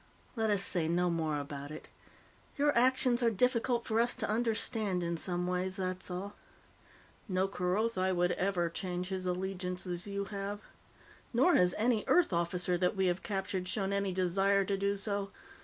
"Let us say no more about it. Your actions are difficult for us to understand, in some ways, that's all. No Kerothi would ever change his allegiance as you have. Nor has any Earth officer that we have captured shown any desire to do so.